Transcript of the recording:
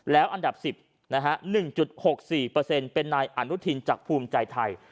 แล้วอันดับ๑๐๑๖๔เป็นนายอนุทินจากภูมิใจไทย